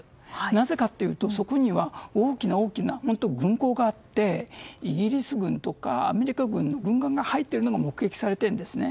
なぜかというと、そこには大きな大きな軍港があってイギリス軍とかアメリカ軍の軍艦が入っているのが目撃されているんですね。